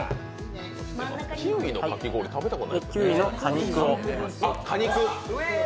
キウイの果肉を。